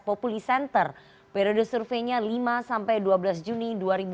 populi center periode surveinya lima sampai dua belas juni dua ribu dua puluh